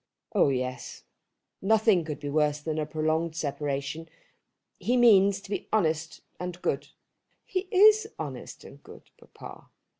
"Oh yes. Nothing could be worse than a prolonged separation. He means to be honest and good." "He is honest and good, papa."